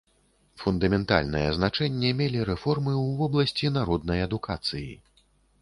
Фундаментальнае значэнне мелі рэформы ў вобласці народнай адукацыі.